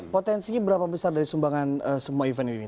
potensinya berapa besar dari sumbangan semua event ini